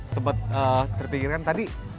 sempet terpikirkan tadi